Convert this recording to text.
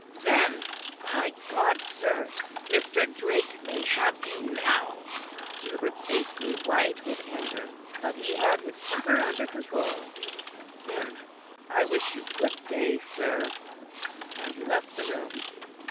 "Then, by God, sir, Mr. Drake may have you now." Hubert's face grew white with anger; but he had his temper under control. "Then I wish you good day, sir," and he left the room.